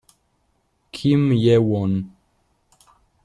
Kim Ye-won